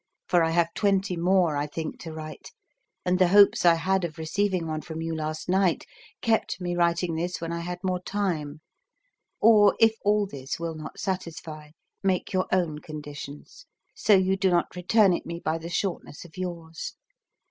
For I have twenty more, I think, to write, and the hopes I had of receiving one from you last night kept me writing this when I had more time; or if all this will not satisfy, make your own conditions, so you do not return it me by the shortness of yours.